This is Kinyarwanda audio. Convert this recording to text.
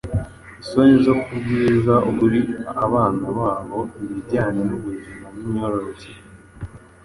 isoni zo kubwiza ukuri abana babo ibijyanye n’ubuzima bw’imyororokere.